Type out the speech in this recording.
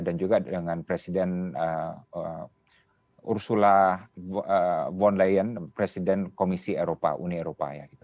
dan juga dengan presiden ursula von der leyen presiden komisi uni eropa